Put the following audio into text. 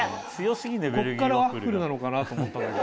こっからワッフルなのかなと思ったんだけど。